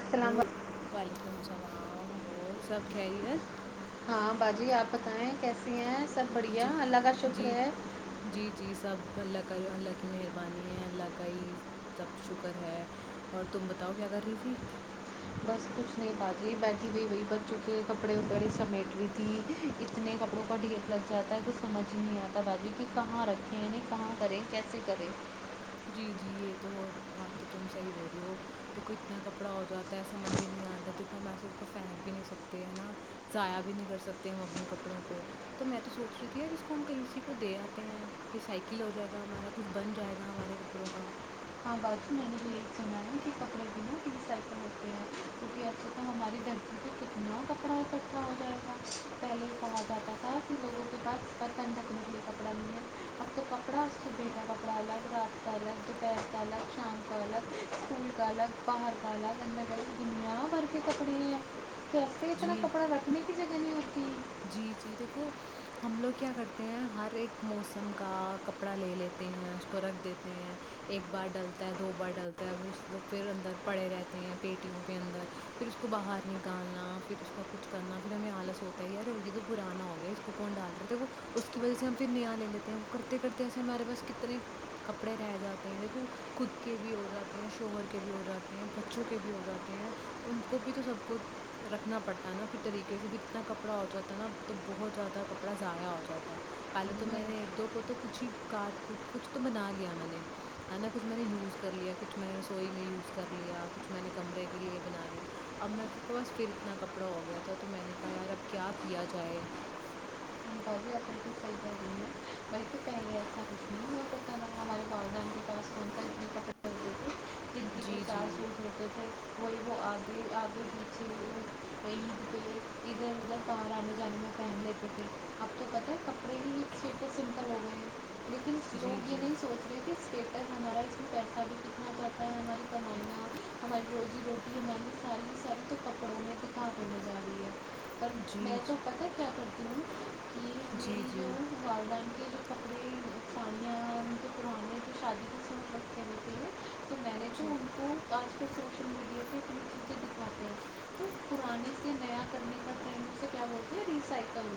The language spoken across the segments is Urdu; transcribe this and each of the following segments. السلام علیکم. وعلیکم اللام اور سب خیریت ہاں باجی آپ بتائیں کیسی ہیں سب بڑھیا جی اللہ کا شکر جی ہے جی جی سب اللہ کر اللہ کی مہربانی ہے اللہگائی سب شکر ہے اور تم بتاؤ کیا کر رہی تھی بس کچھ نہیں باجی بیٹھی ہوئی وہی بچوں کے کپڑے وپڑے سمیٹ رہی تھی اتنے کپڑوں کا ڈھیر لگ جاتا ہے توچھ سمجھ ہی نہیں آتا باجو کہ کہاں رکھیں یعیں کہاں کریں کیسے کریں جی جی یہ تو بات تو تم صحی بول رہی ہو دیکھو اتنا کپڑا ہو جاتا ہے سمجھ بھی نہیں آتا دیکھو ہم ایسے اس کو پھینک بھی نہیں سکتے ہے نا ضائیا بھی نہیں کر سکتے ہم اپنے کپڑوں کو تو میں تو سوچ رہی تھی ی جس کو ہم کہیںسی کو دے آتے ہیں ریسائکل ہو جائے گا ہمارا کچھ بن جائے گا ہمارے کپڑوں کا ہاں باجی میں نے بھی یہ سنا ہے کہ کپڑے بین کی ڈی سائ پر ہوتے ہیں کیونکہ اب سے تو ہماری دھرتی سے کتنا کپڑا اکٹھا ہو جائے گا پہلے کہا جاتا تھا کہ لوگوں کے باد بر پن رکھنے کے لیے کپڑا لے اب تو کپڑا اس سے بیٹا کپڑا الگ راستہ الگ جو پ الگ شام کا الگ سکول کا الگ باہر کا الگ اندے کا الگ اننیا بارک کپڑے ہیں کیسے اتنا جی کپڑا رکھنے جگہ نہیں ہوتی جی جی دیکھو ہم لوگ کیا کرتے ہیں ہر ایک موسم کا کپڑا لے لیتے ہیں اس کو رکھ دیتے ہیں ایک بار ڈلتا ہے دو بار ڈلتا ہے پھر اس پھر اندر پڑے رہتے ہیں پیٹیوں پہ اندر پھر اس کو باہر نکالنا پھر اس کا کچھ کرنا پھر ہمیں آلس ہوتا یار یہانا ہو گیا اس کون ڈال رہا دیکو اس کی وجہ سے ہم پھر نیا لے لیتے ہیں وہ کرتے کرتے ایسے ہمارے پاس کتنے کپڑے رہ جاتے ہیں دیکھو خود کے بھی ہو جاتے ہیں شوہر کے بھی ہو جاتے ہیں بچوں کے بھی ہو جاتے ہیں ان کو بھی تو سب کو رکھنا پڑتا ہے نا پھر طریقے سے پھر اتنا ک کپڑا ہو جاتا ہے نا تو بہت زیادہ کپڑا ضائع ہو جاتا ہے پہلے تو میں نہیں نے ایک دو کو تو کچھ ہی کاٹ کوٹ کے کچھ تو بنا لیا میں نے ہے نا کچھ میں نے یوز کر لیا کچھ میں نے رسوئی میں یوز کر لیا کچھ میں نے کمرے کے لیے بنا لیا اب میں سب کو بس پھر اتنا کپڑا ہو گیا تھا تو میں نے کہا یار اب کیا کیا جائے ب والدین کے پاس کون سا اتنے کپڑے ہوتے تھے زندگی جی چار جی سوس رتے تھے کوئی وہ آگے آگے پچے عید کےے ادھر ادھر بر آنے جانے میں پہن لیتے تھے اب تو پتہ ہے کپڑے ہی سیٹ سمپل ہو گئے ہیں لیکن جی لوگ یہ جی نہیں سوچ رہے کہ اسٹیٹس ہمارا پیسہ بھی کتنا پتا ہے ہمارے بنائیا ہماری روزی روٹی ہماری ساریی ساری تو کپڑوں میں کے کام ہونے جا رہی ہے پر میں جی تو پتا کیا کرتی ہوں کہ جی جی میری جو والد کے کپڑے ساڑیاں م جو پرانے جو شادی کے سوٹ رکھے ہوتے ہیں تو میں نے ان کو آج کے سوشل میڈیا پہ کنی چیزیں دکھواتے ہیں تو پرانے سے نیا کرنے کا ٹرینڈ سے کیا بولتی ہے ریسائیکل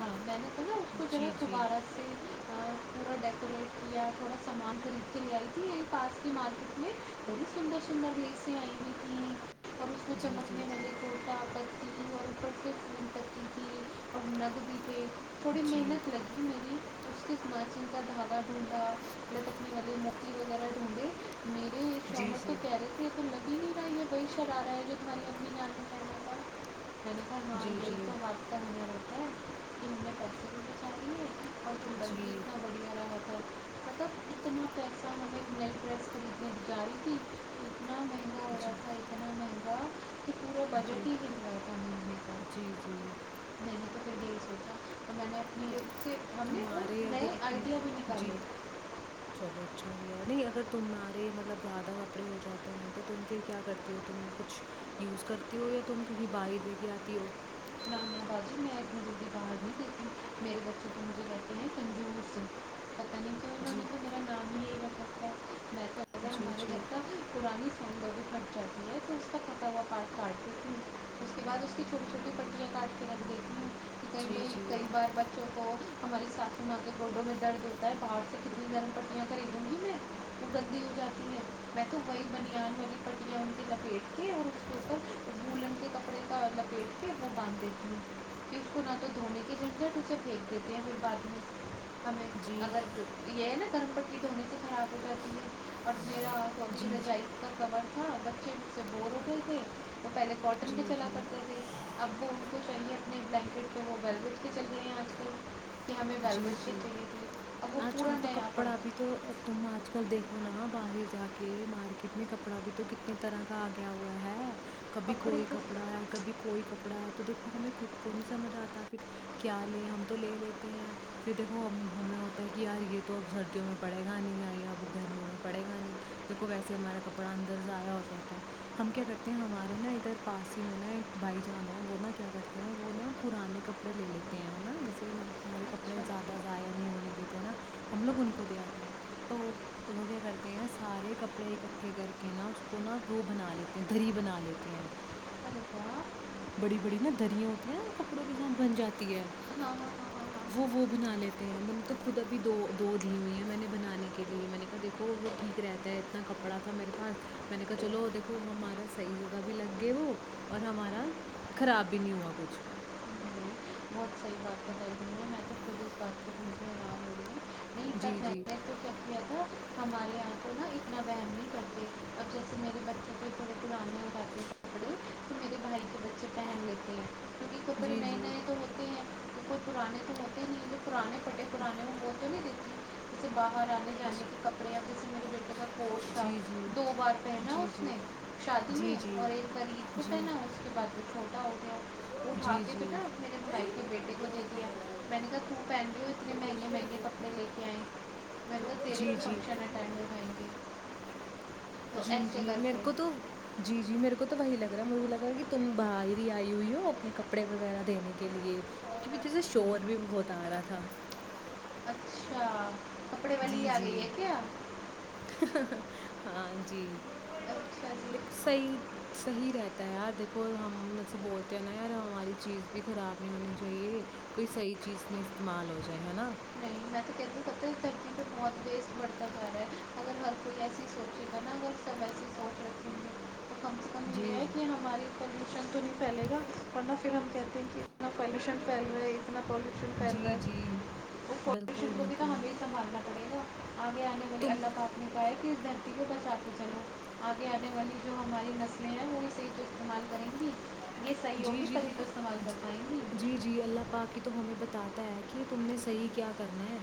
ہاں میں نے مطب اس کو ذرا جی دوبارہ سے تھورا ڈیکوریٹ کیا تھوڑا سامان خرید کے لے آئی تھی یہ پاس کی مارکیٹ میں بت سندر سندر پس آئی ت اور اس کو جی جی جی چمکنے والے گٹا آپ ت اور اوپر سے پھول پکتی تھی اور نگ بھی ہے تھوڑی جی محنت لگی میری کف ناچن کا دھاگا ڈھونڈا بت اپنے والی مٹی وغیرہ ڈھونڈے میرے جی جی جی جی شومر تو کہہ رہے تھے تو لگی ہی اا یہ وہی چل آ رہا ہے جو تمہاراری ابنی جان بچےگا مک جی ن یہی تو و کہ منے پیسے چاہ رہی جی مطلب اتنا پیسہ مجھے میل بس کرق جائے تھی اتنا نہیں جی پورا بجٹ جی ہی مل رہا تھا منے کا جی جی میں نے تو پ ا تو تمہارے نئے اگر آئیڈیا بھی نکالے جی چلو اچھا گ نہیں اگر تمہارے مطلب زیادہ کپڑے ہو جاتے ہیں تو تم پھر کیا کرتی ہو تم کچھ یوز کرتی ہو یا تم کہیں باہر دے کے آتی ہو ہ باجی میں ایک مجھے باہر ہیک ہ میرے بچے کے مجھے رہتے ہیں کنجور سنگھ پتہ نہیں کیوں انہوں نے جی تو میرا نام ہی یہی رکھ رکھا ہے جی جی لی پھٹ جاتی ہے تو اس کا پھٹا ہوا کاٹتیھر اس کے بعد اس کی چھوٹی چھوٹی پتر کاارٹ کے رکھ دیتی ہیں کہیں جی گے جی کئی بار بچوں کو ہماری ساسو ماں کے گڈوں میں درد ہوتا ہے باہر سے کتنی گرم پٹیاں خریدوں گی میں وہ گدی ہو جاتی ہے میں تو وہی بنان والی پٹیاں ان کی لپیٹ کے اور اس کے اوپر بولن کے کپڑے کا لپیٹ وہ باندھ دیتی ہیں اسس کو نہ تو دھونے کی جھٹجٹ اسے پھینک دیتے ہیں پھر بعد میں ہمیں جی اگر یہ نا ک پٹی دھونی سے خراب ہو جاتی ہے اور میرا سب جی جی رجائ کا کبر تھا بچے سے بور ہو گئے تھے تو پہلے کاٹن بھی جی چلا جی کرتے تھے کو چاہیے اپنے بلینکٹ کے ہو گٹ کے چلے ہیں آج کل کہ ہمیں جی ویلویٹ کے جی چاہیے تھے اب وہ آج کل پورا تو نیا کپڑا بھی پڑا تو تم آج کل دیکھو نا باہر جا کے مارکیٹ میں کپڑا بھی تو کتنے طرح کا آ گیا ہوا ہے کبھی کپڑے کوئی کا کپڑا ہے کبھی کوئی کپڑا ہے تو دیکھ تو ہمیں خود کو نہیں سمجھ آتا پھر کیا لیں ہم تو لے لیتے ہیں پھر دیکھو ہم ہمیں ہوتا ہے کہ یار یہ تو اب سردیوں میں پڑے گا نہیں یایا اب گرمیوں میں پڑے گا نہیں دیکھو ویسے ہمارا کپڑا اندر ضائع ہو جاتا ہے ہم کیا کرتے ہیں ہمارے نا ادھر پاس ہی میں نا ایک بھائی جانا ہے وہ نا کیا کرتے ہیں وہ نا پرانے کپڑے لے لیتے ہیں نا جیسے ہمارے کپڑے کپڑے اچھا زیادہ ضائع نہیں ہونے دیتے ہیں نا ہم لوگ ان کو دے آتے ہیں تو وہ وہ کیا کرتے ہیں سارے کپڑے اکٹھے کر کے نا اس کو نا وہ بنا لیتے ہیں دری بنا لیتے ہیں ارے واہ بڑی بڑی نا دریا ہوتی ہیںا وہ کپڑوں کے ساتھ بن جاتی ہے ہاں ہاں ہاںاں وہ وہ بنا لیتے ہیں میں نے تو خود ابھی دو دو دی ہوئی ہیں میں نے بنانے کے لیے میں نے کہا دیکھو وہ ٹھیک رہتا ہے اتنا کپڑا تھا میرے پاس میں نے کہا چلو دیکھو ہمارا صحیح جگہ بھی لگ گیا وہ اور ہمارا خراب بھی نہیں ہوا کچھ پت ہیے میں تو پور ب نہ ہوی جی جی تھا ہمارے یہاں کو نا اتنا بیم نہیں کرتے اب جیسے میرے بچے کے تھوڑے پرانے ہو جاتے ہیں کپڑے تو میرے بھائی کے بچے پہن لیتے ہیں کیونکہ کپڑے جی نئے جی نئے تو ہوتے ہیں تو کوئی پرانے تو ہوتے نہیں جو پرانے پٹے پرانے وہگول تو نہیں دتی سے باہر آنے جانے کے کپڑے یا جیسے میرے بیٹے کا کوٹ تھا جی جی دو بار پہنا جی اس جی نے شادی میں جی جی اور ایک ب عید کو جی پہنا اس کے بعد وہ چھوٹا ہو اٹھا جی کے پھر جی نا میرے بھائی کے بیٹے کو دے دیا میں نے کہ تو اتنے مہنگے مہنگے کپڑے کے آئ ہیں مرگت تیرے جی کو جی فنکشن اٹینڈ ہوائ گے تو جی ایسے جی کر میرے کے کو تو جی جی میرے کو تو وہی لگ رہا مجھے لگ رہا کہ تم باہر ہی آئی ہوئی ہو اپنے کپڑے وغیرہ دینے کے لیے کیونکہ مجھے سے شور بھی بہت آ رہا تھا اچھا کپڑے والی جی آ گئی جی ہے کیا ہاں جی اچھا جی دیک صحیح صحیح رہتا ہے یار دیکھو ہمھ سے بولتے ہیں نا یار ہماری چیز بھی خراب نہیں ہونی چاہیے کوئی صحیح چیز میں استعمال ہو جائے ہے نا نہیں میں تو کہتی ہ ستا درتی پہ بہت بیس بڑھتا گا ہے اگر ہر کوئی ایسی سوچے گا نا اگر سب ایسی سوچ رکھیں گے تو کم سے کم یہ جی ہے جی کہ ہماری پلوشن تو نہیں پھیلے گا ورنہ پھر ہم کہتے اتنا پالوشن پھیل رہا ہے اتنا پالوشن پھیل رہا جی جی ہے بالکل کو بھی تو بالکل ہمیش سنھالنا پڑےا آگے آنے والے تم اللہ کااکپ نے کہا ہے کہ اس دن ٹی کو بچات کے چلو آگے آنے والی جو ہماری نسلیں ہیں وہی صحیح تو استعمال کریں گی یہ صحیح جی ہوگی جی تبھی تو دیکھو استعمال کر پائیں گی جی جی اللہ پاک کی تو ہمیں بتاتے پتا ہے کہ تم نے صحیح کیا کرنا ہے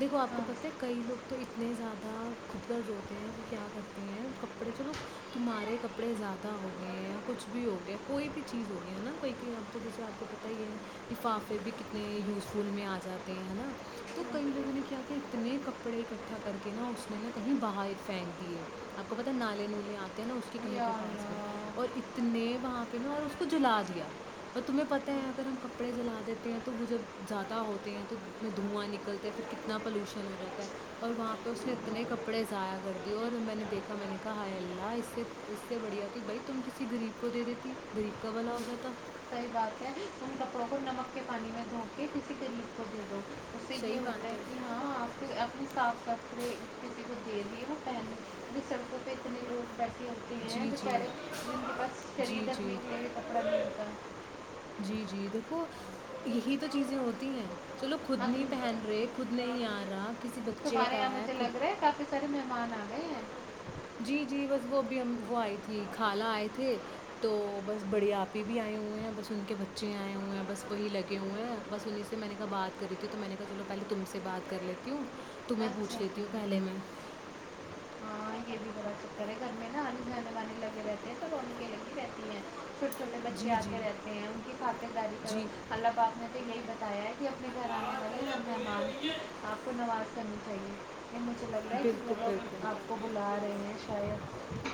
دیکو آ کو ہاں پتہ ہے کئی لوگ تو اتنے زیادہ خود کر جو ہوتے ہیں وہ کیا کرتے ہیں کپڑے چلو تمہارے کپڑے زیادہ ہو گئے ہیں یا کچھ بھی ہو گئے کوئی بھی چیز ہو گئی ہے نا کوئی کہیں اب تو جیسے آپ کو پتہ یہ ہے لفافے بھی کتنے یوزفل میں آ جاتے ہیں نا تو کئی لوگوں نے کیا کہ اتنے کپڑے اکٹھا کر کے نا اس نے نا کہیں باہر پھینک دیے آپ کو پتاہ نالے نولے آتے نا اس کے کہیں پہ یا پاس میں اللہ اور اتنے اتنے وہاں پہن اور اس کو جلا دیا اور تمہیں پتہ ہے اگر ہم کپڑے جلا دیتے ہیں تو وہ جب زیادہ ہوتے ہیں تو انے دھواں نکلتے ہیں پھر کتنا پلوشن ہو جاتا ہے اور وہاں پہ اس نے اتنے کپڑے ضائع کر دیے اور میں نے دیکھا میں نے کہا ہائے اللہ اس سے اس سے بڑھیا تو بھائی تم کسی غریب کو دے دیتی غریب کا بلا ہو جاتا صحی بات ہے ن تم کپڑوں کو نمک کے پانی میں جو کے کسی طریب کو دے دو اس سے یہ صحیح ہوتا بات ہے کہ ہاں آپ اپنے صاف کپڑے کسی کو دے دیے نا پہنے ابنی سڑکوں پہ اتنے لوگ بیٹھے ہوتی ہیں جی جی بیچارے جن کے پاس جی شریر جی رکھنے کے لیے بھی کپڑا نہیں ہوتا جی جی دیکھو یہی تو چیزیں ہوتی ہیں چلو خود اب نہیں پہن رہے خود نہیں آار عراک تمہارے یہاں مجھے لگ رہا ہے کافی سارے مہمان آئے جی جی بس وہ ابھی ہم وہ ای تھی خالہ آئے تھے تو بڑے آپ ہی بھی آئے ہوئے ہیں بس ان کے بچے آئے ہیں بس انہیں س ک کری ہوں تو میں نے کہا چلو پہلے تم سے بات کر لیتی ہوں تمہیں پوچھ اچھا لیتی ہوں پہلے میں ہاں یہ بھی بڑا چکر ہے گھر میں نا آنے جانے والے لگے رہتے ہیں تو بن کے لگی رہتی ہیں چھوٹے چھوے بچے جی، آتے جی، رہتے ہیں ان کی خاترداری کرو جی۔ اللہ باپ میں تو یہی ب ت کی اپنے گھر آنے والی ہر مہمان کی آپ کو نواز سنی ت یہ مجھے لگ رہا ہے کہ بالکل، یہ لوگ بالکل۔ آپ کو بلا رہے ہیں شاید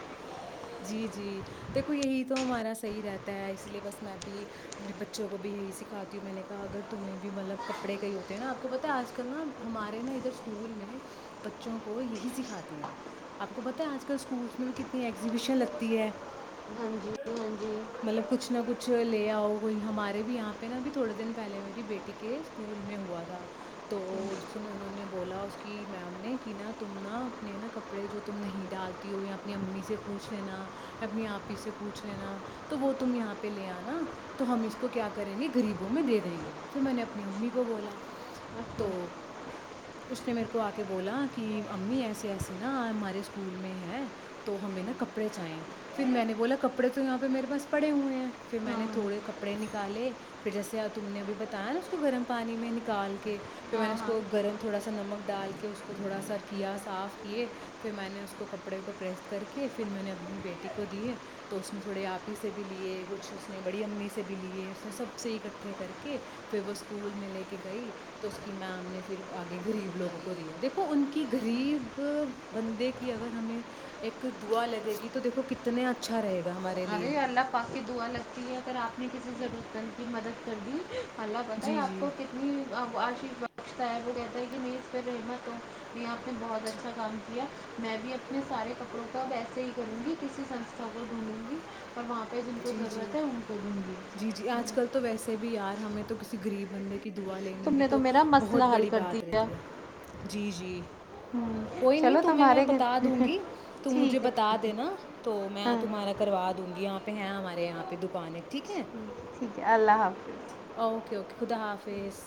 جی جی دیکھو یہی تو ہمارا صحیح رہتا ہے اسی لیے بس میں بھی اپنے بچوں کو بھی یہی سکھاتی ہوں میں نے کہا اگر تمہیں بھی مطلب کپڑے کے ہی ہوتے ہیں نا آپ کو پتہ ہے آج کل نا ہمارے نا ادھر اسکول میں بچوں کو یہی سکھاتے ہیں آپ کو پتا ہے آج کل اسکولس میں بھی کتنی ایگزیبیشن لگتی ہے ہاں جی ہاں جی مطلب کچھ نہ کچھ لے آؤ ہمارے بھی یہاں پہ نا اب تھوڑے دن پہلے میری بیٹی کے اسکول میں ہوا تھا تو انہوں نے بولا اس کی میم تم نا اپنے نا کپڑے جو تم نہیں ڈالتی ہو اپنی امی سے پوچھ لینا اپنی آپ ہی سے پوچھ لینا تو وہ تم یہاں پہ لے آناا تو ہم اس کو کیا کریں گے غریبوں میں دے دیں گے پھر میں نے اپنی امی کو بولا اچھا تو اس نے میرے کو آ کہ بولا کہ امی ایسیے ایسی نا ہمارے اسکول میں ہیں تو ہمیں نا کپڑے چاہیں پھر میں نے بولا کپڑے تو یہاں پہ میرے پاس پڑے ہوئے ہیں پھر میں ہاں نے ہاں تھوڑے کپڑے نکل ڈالے پھر جیسے تم نے ابھی بتایا نا اس کو گرم پانی میں نکال کے پھر میں نے ہاں اس ہاں کو گرم تھوڑا سا نمک ڈال کے کہ اس کو تھوڑا سر کیا صاف کیے پھر میں نے اس کو کپڑے کو پریس کر کے پھر میں نے اپنی بیٹی کو دیے تو اس نے تھوڑے آپ ہی سے بھی لیے کچھ اس نے بڑی امی سے بھی لیے اس نے سب سے اکٹھے کر کے پھر وہ اسکول میں لے کے گئی تو اس کی میم نے پھر آگے غریب لوگوں کو دیے دیکھو ان کی غریب بندے کی اگر ہمیں ایک دعا لگے گی تو دیکھو کتنا اچھا رہے گا ہمارے لیے ارے اللہ پاک کی دعا لگتی ہے پھر آپ میں کسی ضرورت پند کی مدد کر دی اللہ بتائے جی آپ جی کو کتنیف لچشتا ہے وہ کہتا ہے کہ میز پر رحمت یہاں پہ بہت اچھا کام کیا میں بھی اپنے سارے کپڑوں کا اب و ایسے ہی کروں گی کسی سنستھا کو گھونوموں گی اور وہاں پہ جن کو جی جی ضرورت ہے ان کو دوں گی جی جی ہوں، آج کل تو ویسے بھی یار ہمیں تو تو کسی گغریب بندے کی دعا لینی تم بھی نے تو میرا بہت مسئلہ حل بڑی کر بات دیا رہتی ہے جی جی ہوں، کوئی نہیں چلو تمہیں میں تمہارے بتا دوں گھر گی تم مجھے ٹھیک ہے بتا دینا تو میں ہاں تمہارا کروا ڈونگ گیا ہیں ہمارے یہاں پہ دکانیں ٹھیک ہے ٹھیک ہے اللہ حافظ اوکے اوکے خدا حافظ